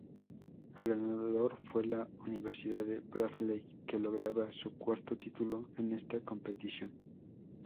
El ganador fue la Universidad Bradley, que lograba su cuarto título en esta competición.